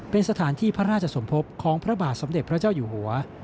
เป็นสถานที่พระราชสมภพของพระบาทสมเด็จพระเจ้าอยู่หัว